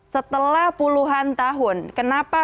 setelah puluhan tahun kenapa